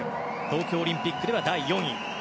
東京オリンピックでは第４位。